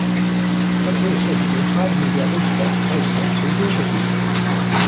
在所有设计中，他的目标都是保持他的“台球桌”设计理念。